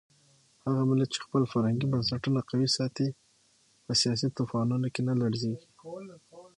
هغه ملت چې خپل فرهنګي بنسټونه قوي ساتي په سیاسي طوفانونو کې نه لړزېږي.